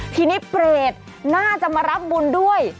ทีนี้เปรตน่าจะมารับบุญด้วย